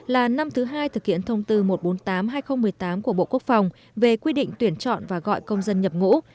là năm thứ hai thực hiện thông tư một trăm bốn mươi tám hai nghìn một mươi tám của bộ quốc phòng về quy định tuyển chọn và gọi công dân nhập ngũ